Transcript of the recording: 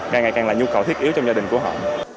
đang ngày càng là nhu cầu thiết yếu trong gia đình của họ